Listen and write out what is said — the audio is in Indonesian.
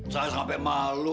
saya sampai malu